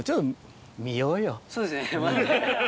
そうですね。